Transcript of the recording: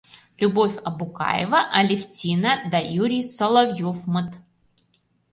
Любовь АБУКАЕВА, Алевтина да Юрий СОЛОВЬЁВМЫТ.